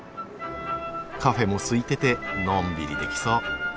カフェもすいててのんびりできそう。